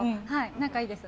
仲いいです。